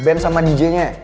ben sama dj nya